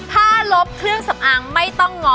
ถ้าลบเครื่องสำอางไม่ต้องง้อ